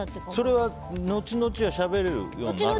それは後々はしゃべれるようになるんですか？